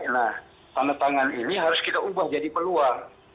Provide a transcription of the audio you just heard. nah tanda tangan ini harus kita ubah jadi peluang